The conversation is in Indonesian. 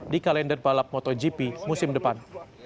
di kalender balap motogp musim depan